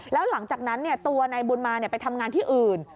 แล้วหลังจากนั้นตัวนายบุญมาไปทำงานที่อื่น